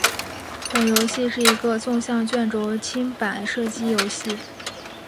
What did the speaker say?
本游戏是一个纵向卷轴清版射击游戏。